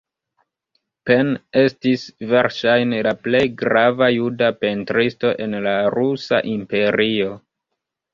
Pen estis verŝajne la plej grava juda pentristo en la rusa imperio.